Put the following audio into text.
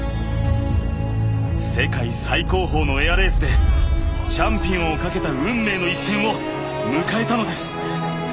世界最高峰のエアレースでチャンピオンを懸けた運命の一戦を迎えたのです。